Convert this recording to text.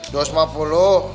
dua ratus empat puluh